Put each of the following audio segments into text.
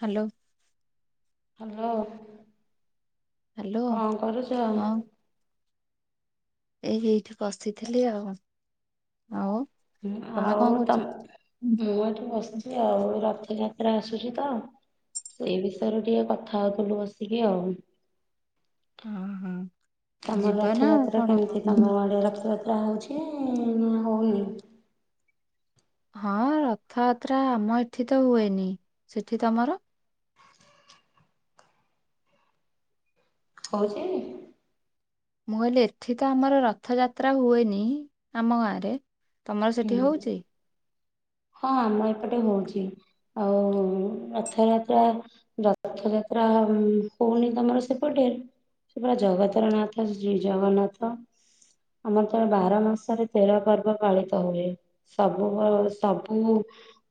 Hello. Hello hello କଣ କରୁଛ? ହଁ ଏ ଏଇଠି ବସିଥିଲି ଆଉ ତମେ କଣ ଆଉ କରୁଛ? ତମ ମୁଁ ଏଠି ବସିଛି ଆଉ ରଥଯାତ୍ରା ଆସୁଛି ତ ସେଇ ବିଷୟରେ ଟିକେ କଥା ହଉଥିଲୁ ବସିକି ଆଉ। ହଁ ହଁ। ତମ ରଥଯାତ୍ରା କେମିତି ତମ ଆଡେ ରଥଯାତ୍ରା ହେଉଛି ନା ହଉନି? ହଁ ରଥଯାତ୍ରା ଆମ ଏଠି ତ ହୁଏନି ସେଠି ତମର? ହଉଛି। ମୁଁ କହିଲି ଏଠି ତ ଆମର ରଥଯାତ୍ରା ହୁଏନି ଆମ ଗାଁ ରେ। ହୁଁ ହଁ ମୁଁ ଏପଟେ ହଉଛି। ଆଉ ରଥଯାତ୍ରା ରଥଯାତ୍ରା ଉଁ ହଉନି ତମର ସେପଟେ? ସେ ପୁରା ଜଗତରନାଥ ଶ୍ରୀ ଜଗନ୍ନାଥ। ଆମର ତ ବାର ମାସରେ ତେର ପର୍ବ ପାଳିତ ଳିତ ହୁଏ ସବୁ ପ ସବୁ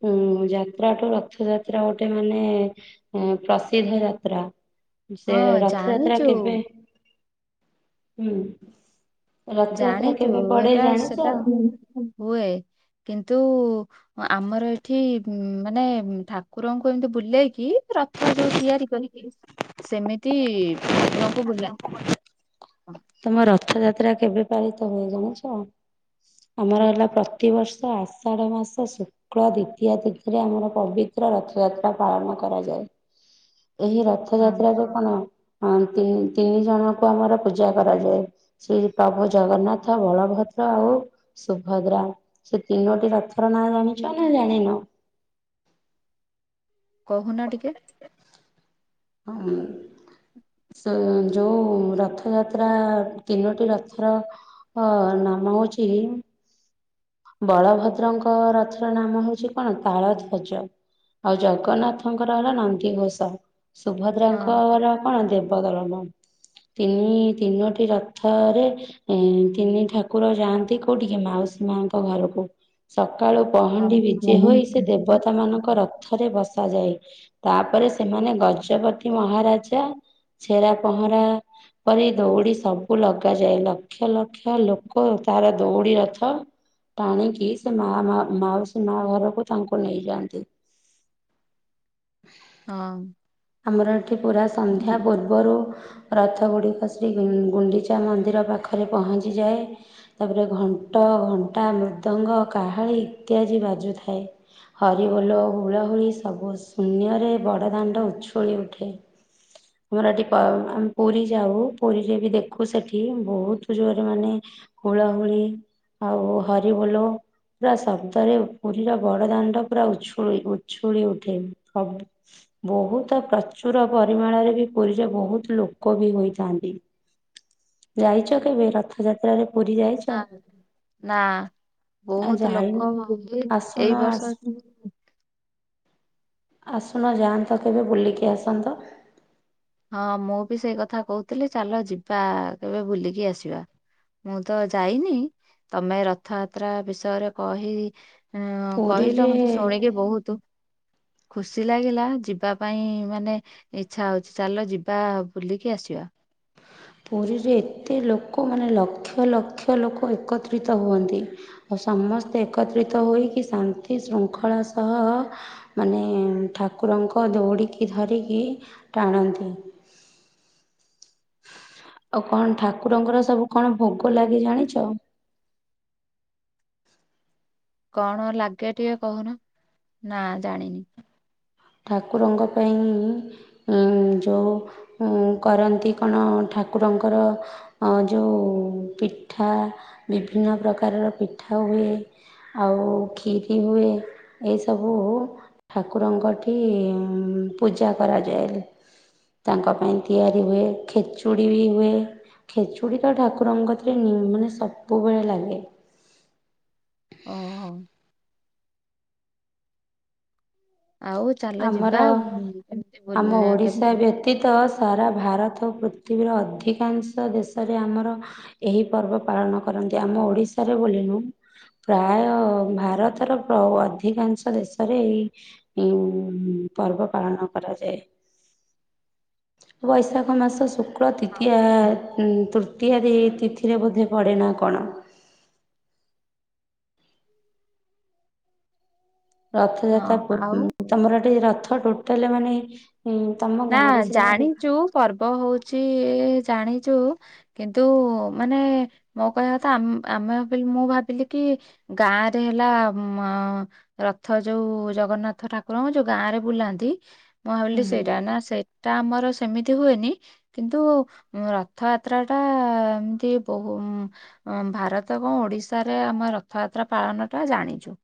ହୁଁ ଯାତ୍ରାଠୁ ରଥ ଯାତ୍ରା ଗୋଟେ ମାନେ ହୁଁ ପ୍ରସିଦ୍ଧ ଯାତ୍ରା। ସେ ହଁ ରଥଯାତ୍ରା ଜାଣିଛୁ କେବେ [unintelligible] ରଥଯାତ୍ରା ଜାଣିଛୁ କେବେ ପଡେ ଏଟା ଜାଣିଛ? ସେଟା ହୁଁ ହୁଏ କିନ୍ତୁ ଆମର ଏଠି ମାନେ ଠାକୁରଙ୍କୁ ଏମିତି ବୁଲେଇକି ର ରଥ ଯୋଉ ତିଆରି କରିକି ସେମିତି ଠାକୁରଙ୍କୁ ବୁଲାନ୍ତି। ତମ ରଥଯାତ୍ରା କେବେ ପାଳିତ ହୁଏ ଜାଣିଛ? ଆମର ହେଲା ପ୍ରତି ବର୍ଷ ଆଷାଢ ମାସ ଶୁ ଶୁକ୍ଳ ଦ୍ଵିତୀୟ ତିଥିରେ ଆମର ପବିତ୍ର ରଥଯାତ୍ରା ପାଳନ କରାଯାଏ। ଏହି ହଁ ରଥଯାତ୍ରା ରୁ କଣ ଅ ତିନି ତିନି ଜଣଙ୍କୁ ଆମର ପୂଜା। ପୂଜା କରାଯାଏ ଶ୍ରୀ ପ୍ରଭୁ ଜଗନ୍ନାଥ ବଳଭଦ୍ର ଆଉ ସୁଭଦ୍ରା ସେ ତିନୋଟି ରଥର ନାଁ ଜାଣିଛ ନା ଜାଣିନ? କହୁନ ଟିକେ? [inaudible] ହୁଁ। ସେ ଯୋଉ ରଥଯାତ୍ରା ତିନୋଟି ରଥର ହଁ ନାମ ହଉଚି ବଳଭଦ୍ରଙ୍କ ରଥର ନାମ ହଉଚି କଣ ତାଳଧ୍ୱଜ। ଆଉ ଜଗନ୍ନାଥଙ୍କର ହେଲା ନନ୍ଦିଘୋଷ। ହଁ ସୁଭଦ୍ରାଙ୍କର କଣ ଦେବଦଳନ ତିନି ତିନୋଟି ରଥରେ ଏ ତିନି ଠାକୁର ଯାଆନ୍ତି କୋଉଠିକି ମାଉସୀ ମାଙ୍କ ଘରକୁ। ସକାଳୁ ପହଣ୍ଡି ବିଜେ ହଁ ହୋଇ ସେ ଦେବଦଳନଙ୍କ ରଥ ରେ ବସାଯାଏ। ତାପରେ ସେମାନେ ଗଜପତି ମହାରାଜା ଛେରା ପହଁରା ପରି ଦୌଡ଼ି ସବୁ ଲଗାଯାଏ। ଲକ୍ଷ ଲକ୍ଷ ଲୋକ ତାର ଦୌଡ଼ି ରଥ ଟାଣିକି ସେ ମା ମା ମାଉସି ମା ଘରକୁ ତାଙ୍କୁ ନେଇଯାଆନ୍ତି। ହଁ। ଆମର ଏଠି ପୁରା ସନ୍ଧ୍ୟା ପୂର୍ବ ପୂର୍ବରୁ ରଥଗୁଡ଼ିକ ଶ୍ରୀ ଗୁଣ୍ଡି ଗୁଣ୍ଡିଚା ମନ୍ଦିର ପାଖରେ ପହଞ୍ଚିଯାଏ। ତାପରେ ଘଣ୍ଟ ଘଣ୍ଟା ମୃଦଙ୍ଗ କାହାଳି ଇତ୍ୟାଦି ବାଜୁଥାଏ। ହରିବୋଲ ହୁଳହୁଳି ସବୁ ଶୂନ୍ୟରେ ବଡ଼ଦାଣ୍ଡ ଉଛୁଳି ଉଠେ। [unintelligible] ପୁରୀ ଯାଉ ପୁରୀରେ ବି ଦେଖୁ ସେଠି ବହୁତ ଜୋରରେ ମାନେ ହୁଳହୁଳି ଆଉ ହରିବୋଲ ପୁରା ଶବ୍ଦରେ ପୁରୀର ବଡ ଦାଣ୍ଡ ପୁରା ଉଛୁଳି ଉଛୁଳି ଉଠେ ସବ ବୋହୁତ ପ୍ରଚୁର ପରିମାଣରେ ବି ପୁରୀରେ ବୋହୁତ୍ ଲୋକ ବି ହୋଇଥାନ୍ତି। ଯାଇଚ କେବେ ରଥଯାତ୍ରାରେ ପୁରୀ ଯାଇଚ ନା ନା ଆ ବୋହୁତ ଯାଇନ। ଲୋକ ହୁଏ ଆସୁନ ଏଇ ଆସ ବର୍ଷ ଆସୁନ ଯାଆନ୍ତ କେବେ ବୁଲିକି ଆସନ୍ତ। ହଁ ମୁଁ ବି ସେଇ କଥା କହୁଥିଲି। ଚାଲ ଯିବା କେବେ ବୁଲିକି ଆସିବା। ମୁଁ ତ ଯାଇନି ତମେ ରଥଯାତ୍ରା ବିଷୟରେ କହି ହଁ କହିଲ ପୁରୀରେ ମତେ ଶୁଣିକି ବୋହୁତୁ ଖୁସି ଲାଗିଲା ଯିବା ପାଇଁ ମାନେ ଇଛା ହଉଚ ଚାଲ ଯିବା ବୁଲିକି ଆସିବା। ପୁରୀରେ ଏତେ ଲୋକ ମାନେ ଲକ୍ଷ ଲକ୍ଷ ଲୋକ ଏକତ୍ରିତ ହୁଅନ୍ତି। ଆଉ ସମସ୍ତେ ଏକତ୍ରିତ ହୋଇକି ଶାନ୍ତି ଶୃଙ୍ଖଳା ସହ ମାନେ ଠାକୁରଙ୍କ ଦୌଡ଼ିକି ଧରିକି ଟାଣନ୍ତି। ଆଉ କଣ ଠାକୁରଙ୍କର ସବୁ କଣ ଭୋଗ ଲାଗେ ଜାଣିଚ? କଣ ଲାଗେ ଟିକେ କହୁନ ନା ଜାଣିନି। ଠାକୁରଙ୍କ ପାଇଁ ଇଁ ଯୋଉ ଉଁ କରନ୍ତି କଣ ଠାକୁରଙ୍କର ଆଁ ଯୋଉଁ ପିଠା ବିଭିନ୍ନ ପ୍ରକାରର ପିଠା ହୁଏ। ଆଉ କ୍ଷୀରି ହୁଏ ଏସବୁ ଠାକୁରଙ୍କ ଠି ଇ ପୂଜା କରାଯାଏ। ତାଙ୍କ ପାଇଁ ତିଆରି ହୁଏ ଖିଚୁଡ଼ି ବି ହୁଏ। ଖେଚୁଡି ତ ଠାକୁରଙ୍କ କତିରେ ନି ମାନେ ସବୁବେଳେ ଲାଗେ। ଓ ଆଉ ଚାଲ ଯିବା। ଆମର ଆମ ଓଡ଼ିଶା [unintelligible] [unintelligible] ସାରା ଭାରତ ପୃଥିବୀର ଅଧିକାଂଶ ଦେଶରେ ଆମର ଏହି ପର୍ବ ପାଳନ କରନ୍ତି। ଆମ ଓଡିଶାରେ ବୋଲି ନୁ ପ୍ରାୟ ଭାରତର ପ୍ର ଅଧିକାଂଶ ଦେଶରେ ଏହି ଉଁ ପର୍ବ ପାଳନ କରାଯାଏ। ବୈଶାଖ ମାସ ଶୁକ୍ଳ ତିତୀୟା ହଁ ତୃତୀୟାରେ ତିଥିରେ ବୋଧେ ପଡ଼େ ନା କଣ? ରଥଯାତ୍ରା ଆଉ ପୂର୍ ତମର ଏଠି ରଥ ଟୋଟାଲ ମାନେ ହୁଁ ତମ ନା ଗାଁରେ ସିନା ଜାଣିଛୁ ପର୍ବ ହୋଉଚି ଜାଣିଚୁ କିନ୍ତୁ ମାନେ ମୋ କହିବା କଥା ଆମେ ମୁଁ ଭାବିଲି କି ଗାଁ ରେ ହେଲା ଅଁ ମ ରଥ ଯୋଉ ଜଗନ୍ନାଥ ଠାକୁରଙ୍କୁ ଯୋଉ ଗାଁ ରେ ବୁଲାନ୍ତି ମୁଁ ଭାବିଲି ସେ ନା ସେଇଟା ଆମର ସେମିତି ହୁଏନି। କିନ୍ତୁ ଉଁ ରଥଯାତ୍ରା ଟା ଏମିତି ବହୁ ଅ ଭାରତ କଁ ଓଡିଶାରେ ଆମେ ରଥଯାତ୍ରା ପାଳନ ଟା ଜାଣିଚୁ।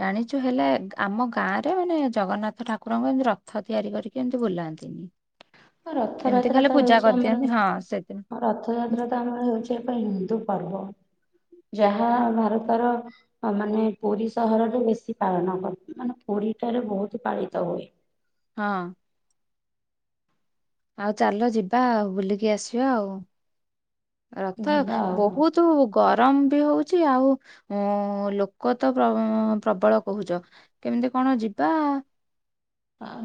ଜାଣିଚୁ ହେଲେ ଆମ ଗାଁ ରେ ମାନେ ଜଗନ୍ନାଥ ଠାକୁରଙ୍କୁ ଏମିତି ରଥ ତିଆରି କରି କି ଏମିତି ବୁଲାନ୍ତି। ହ ରଥଯାତ୍ରା ତ ହେଉଚି କରିଦିଅନ୍ତି ହଁ ସେଦିନ ଆମର ରଥଯାତ୍ରା ତ ଆମର ହେଉଚି ସେ ପା ହିନ୍ଦୁ ପର୍ବ। ଯାହା ଭାରତର ଅ ମାନେ ପୁରୀ ସହରରେ ବେଶୀ ପାଳନ କରନ୍ ମାନେ ପୁରୀଠାରେ ବହୁତ ପାଳିତ ହୁଏ। ହଁ। ଆଉ ଚାଲ ଯିବା ଆଉ ବୁଲିକି ଆସିବା ଆଉ। ରଥ ଯିବା ଆଉ ବହୁ ତୁ ଗରମ ବି ହଉଚି ଆଉ ଓଁ ଲୋକ ତ ପ୍ର ଅଁ ପ୍ରବଳ କହୁଚ କେମିତି କଣ ଯିବା?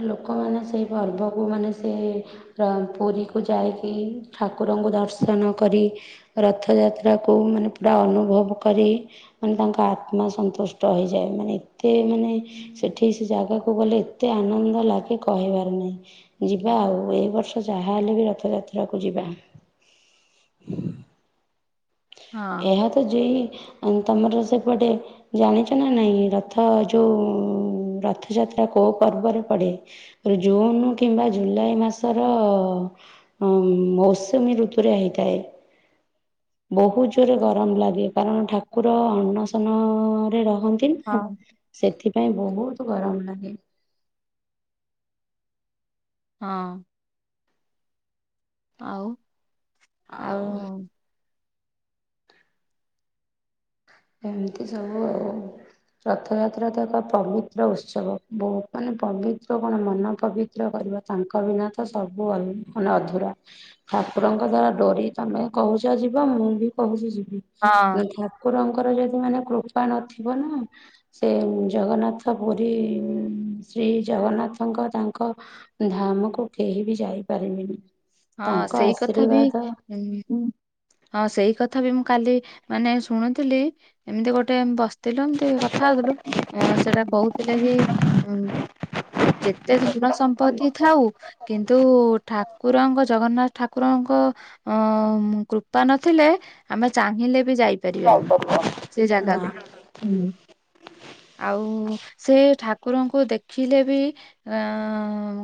ଲୋକମାନେ ସେଇ ପର୍ବକୁ ମାନେ ସେ ପ୍ର ପୁରୀକୁ ଯାଇକି ଠାକୁରଙ୍କୁ ଦର୍ଶନ କରି ରଥଯାତ୍ରାକୁ ମାନେ ପୁରା ଅନୁଭବ କରି ମାନେ ତାଙ୍କ ଆତ୍ମା ସନ୍ତୁଷ୍ଟ ହୋଇଯାଏ। ମାନେ ଏତେ ମାନେ ସେଠି ସେ ଜାଗାକୁ ଗଲେ ଏତେ ଆନନ୍ଦ ଲାଗେ କହିବାର ନାହିଁ। ଯିବା ଆଉ ଏଇ ବର୍ଷ ଯାହା ହେଲେ ବି ରଥଯାତ୍ରାକୁ ଯିବା। ହଁ। ଏହା ତ ଜେଇ ଅଁ ତମର ସେପଟେ ଜାଣିଚ ନା ନାଇଁ ରଥ ଯୋଉ ରଥଯାତ୍ରା କୋଉ ପର୍ବରେ ପଡେ? ଜୁନ କିମ୍ବା ଜୁଲାଇ ମାସର ହଁ ମୌସୁମୀ ଋତୁରେ ହେଇଥାଏ। ବହୁତ ଜୋରେ ଗରମ ଲାଗେ। କାରଣ ଠାକୁର ଅନ୍ନସନରେ ରହନ୍ ନ୍ତି ନା ହଁ। ସେଥିପାଇଁ ବହୁତ ଗରମ ଲାଗେ। ହଁ। ଆଉ ଆଉ ଏମିତି ସବୁ ଆଉ। ରଥଯାତ୍ରା ତ ଏକ ପବିତ୍ର ଉତ୍ସବ। ବହୁତ ମାନେ ପବିତ୍ର କଣ ମନ ପବି ତ୍ର କରିବା ତାଙ୍କ ବିନା ତ ସବୁ ଅଲ ମାନେ ଅଧୁରା। ଠାକୁରଙ୍କ ଦ୍ଵାରା ଡୋରି ତମେ କହୁଚ ଯିବ ମୁଁ ବି କହୁଚି ଯିବି। ନ ହଁ। ହେଲେ ଠାକୁରଙ୍କର ଯଦି ମାନେ କୃପା ନଥିବ ନା ସେ ଜଗନ୍ନାଥ ପୁରୀ ଶ୍ରୀ ଜଗନ୍ନାଥଙ୍କ ତାଙ୍କ ଧାମକୁ କେହି ବି ଯାଇପାରିବେନି। ହଁ ତାଙ୍କ ସେଇ କଥା ବି ଆଶୀର୍ବାଦ ଉଁ ହୁଁ ହଁ ସେଇ କଥା ବି ମୁଁ କାଲି ମାନେ ଶୁଣୁଥିଲି। ଏମିତି ଗୋଟେ ବସ ଥିଲୁ ଏମତି କଥା ହଉଥିଲୁ ଅଁ ସେଟା କହୁଥିଲେ କି ଅଁ ଯେତେ ଧନ ସମ୍ପତ୍ତି ଥାଉ କିନ୍ତୁ ଠାକୁରଙ୍କ ଜଗନ୍ନାଥ ଠାକୁରଙ୍କ ଅଁ କୃପା ନଥିଲେ ଆମେ ଚାହିଁଲେ ବି ଯାଇ ପାରିବାନି ସେ ନା ଜାଗାକୁ। ଆଉ ସେ ଠାକୁରଙ୍କୁ ଦେଖିଲେ ବି ଆ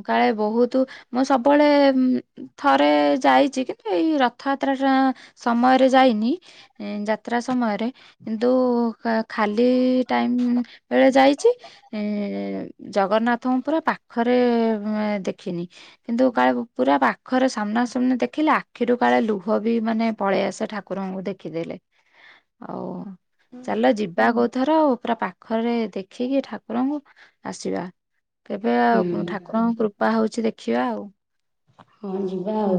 କାଳେ ବହୁତ ମୁଁ ସବୁବେଳେ ଉଁ ଥରେ ଯାଇଚି କିନ୍ତୁ ଏଇ ରଥଯାତ୍ରାଟା ସମୟରେ ଯାଇନି। ଏଁ ଯାତ୍ରା ସମୟରେ। କିନ୍ତୁ କା ଖାଲି ଟାଇମ ବେଳେ ଯାଇଚି। ଏଁ ଜଗନ୍ନାଥଙ୍କୁ ପୁରା ପାଖରେ ଦେଖିନି। କିନ୍ତୁ କାଏବ ପୁରା ପା ଖରେ ସାମ୍ନା ସାମ୍ନା ଦେଖିଲେ ଆଖିରୁ କାଳେ ଲୁହ ବି ମାନେ ପଳେଇ ଆସେ ଠାକୁରଙ୍କୁ ଦେଖିଦେଲେ। ଆଉ ଚାଲ ଯିବା କୋଉ ଥର ଆଉ ପୁରା ପାଖରେ ଦେଖିକି ଠାକୁରଙ୍କୁ ଆସିବା। କେବେ ଆଉ ହୁଁ। ଠାକୁରଙ୍କ କୃପା ହଉଛି ଦେଖିବା ଆଉ। ହଁ ଯ ବାହ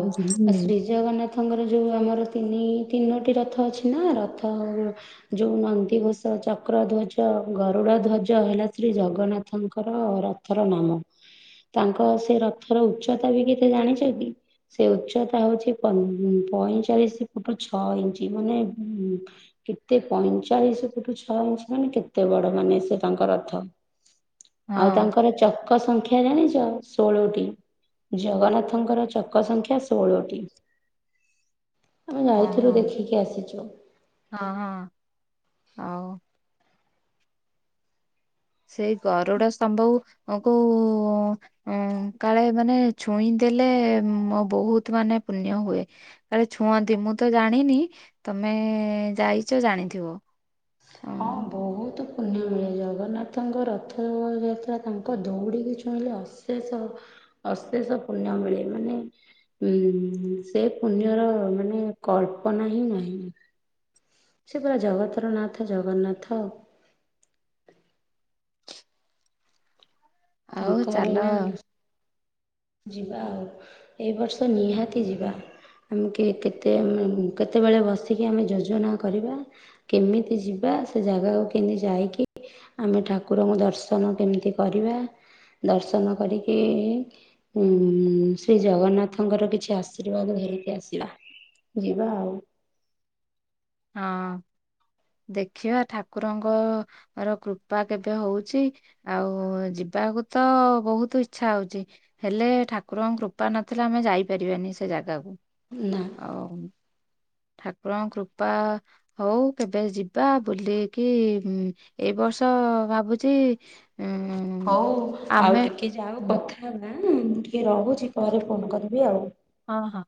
ଅସି ହଁ ଜଗନ୍ନାଥଙ୍କର ଯେଉଁ ଆମର ତିନି ତିନୋଟି ରଥ ଅଛି ନା ରଥ ଯୋଉ ନନ୍ଦିଘୋଷ, ଚକ୍ର ଧ୍ୱଜ, ଗରୁଡ ଧ୍ୱଜ, ହେଲା ଶ୍ରୀ ଜଗନ୍ନାଥଙ୍କର ର ରଥର ନାମ ତାଙ୍କ ସେ ରଥର ଉଚ୍ଚତା ବି କେତେ ଜାଣିଛନ୍ତି? ସେ ଉଚ୍ଚତା ହଉଛି, ପଇଁଚାଳିଶ ଫୁଟ ଛଅ ଇଞ୍ଚ ମାନେ କେତେ ପଇଁଚାଳିଶ ଫୁଠୁ ଛଅ ଇଞ୍ଚ ମାନେ କେତେ ବଡ ମାନେ ସେ ତାଙ୍କର ରଥ। ଆଉ ତାଙ୍କର ଚକ ସଂଖ୍ୟା ଜାଣିଛ ଷୋଳଟି। ଜଗନ୍ନାଥଙ୍କର ଚକ ସଂଖ୍ୟା ଷୋହଳଟି। ଆମେ ହଁ ଯାଇଥିଲୁ ହଁ ଦେଖିକି ଆସିଛୁ। ହଁ ହଁ ଆଉ। ସେଇ ଗରୁଡା ସ୍ତମ୍ଭ କୁ ଅ କାଳେ ମାନେ ଛୁଇଁ ଦେଲେ ମୋ ବହୁତ ମାନେ ପୁଣ୍ୟ ହୁଏ। କାଳେ ଛୁଅନ୍ତି ମୁଁ ତ ଜାଣିନି, ତମେ ଯାଇଛ ଜାଣିଥିବ। ହଁ ବହୁତ ପୁଣ୍ୟ ମିଳେ ଜଗନ୍ନାଥଙ୍କ ରଥଯାତ୍ରା ତାଙ୍କ ଦୌଡ଼ିକି ଛୁଇଁଲେ ଅଶେଷ ଅଶେଷ ପୁଣ୍ୟ ମିଳେ ମାନେ। ଉଁ ସେ ପୁଣ୍ୟର ମାନେ କଳ୍ପନା ହିଁ ନାହିଁ। ସେ ପୁରା ଜଗତରନାଥ ଜଗନ୍ନାଥ ଆଉ। ଆଉ ତାଙ୍କ ଚାଲ ବିନା ଯିବା ଆଉ ଏ ବର୍ଷ ନିହାତି ଯିବା। ଆମ କେ କେତେ କେତେବେଳେ ବସିକି ଆମେ ଯୋଜନା କରିବା। କେମିତି ଯିବା ସେ ଜାଗାକୁ କେମିତି ଯାଇକି ଆମେ ଠାକୁରଙ୍କୁ ଦର୍ଶନ କେମିତି କରିବା? ଦର୍ଶନ କରିକି ଉ ଶ୍ରୀ ଜଗନ୍ନାଥଙ୍କର କିଛି ଆଶୀର୍ବାଦ ଘେରିକି ଆସିବା। ଯିବା ଆଉ। ହଁ। ଦେଖିବା ଠାକୁରଙ୍କ ର କୃପା କେବେ ହଉଛି। ଆଉ ଯିବାକୁ ତ ବହୁତ ଇଚଛା ହଉଛି। ହେଲେ ଠାକୁରଙ୍କ କୃପା ନଥିଲେ ଆମେ ଯାଇପାରିବାନି ସେ ଜାଗାକୁ। ନା।। ହଉ। ଠାକୁରଙ୍କ କୃପା ହଉ କେବେ ଯିବା ବୁଲିକି ଏଇ ବର୍ଷ ଭାବୁଛି ଉଁ ହଉ ଆଉ ଆମେ ଟିକେ ଯାଉ କଥା ହେବା ହାଁ ମୁଁ ଟିକିେ ରହୁଛି ପରେ ଫୋନ୍ କରିବି ଆଉ। ହଁ ହଁ